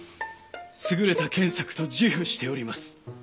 優れた献策と自負しております。